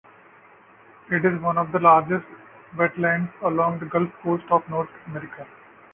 It is one of the largest wetlands along the Gulf Coast of North America.